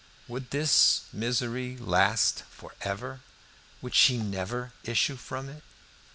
Would this misery last for ever? Would she never issue from it?